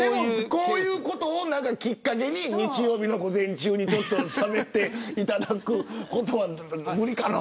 こういうことをきっかけに日曜日の午前中にどんどんしゃべっていただくことは無理かな。